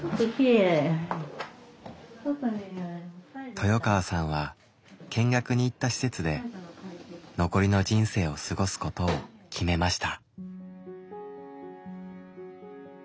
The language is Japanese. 豊川さんは見学に行った施設で残りの人生を過ごすことを決めました。